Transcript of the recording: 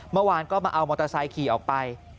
เมื่อวานก็มาเอามอเตอร์ไซค์ขี่ออกไป